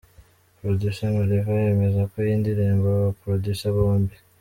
Producer Mariva yemeza ko iyi ndirimbo aba ba producer bombi.